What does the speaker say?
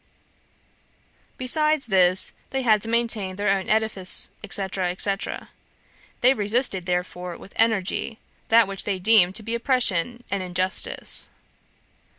"Besides this, they had to maintain their own edifice, &c., &c. They resisted, therefore, with energy, that which they deemed to be oppression and injustice.